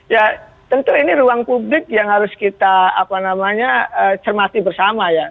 ya tentu ini ruang publik yang harus kita cermati bersama ya